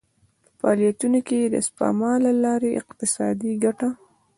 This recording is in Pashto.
په فعالیتونو کې د سپما له لارې اقتصادي ګټه.